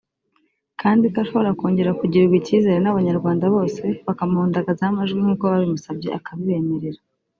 kandi ko ashobora kongera kugirirwa ikizere n’abanyarwanda bose bakamuhundagazaho amajwi nkuko babimusabye akabibemerera